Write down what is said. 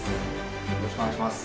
よろしくお願いします